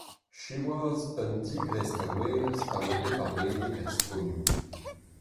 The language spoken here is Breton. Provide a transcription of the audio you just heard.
Siwazh, un digresk a werzh a oa bet warlene er skolioù.